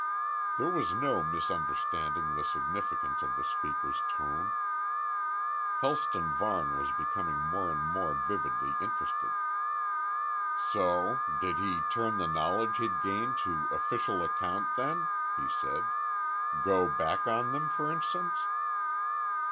There was no misunderstanding the significance of the speaker's tone. Helston Varne was becoming more and more vividly interested. "So? Did he turn the knowledge he'd gained to official account then?" he said. "Go back on them, for instance?"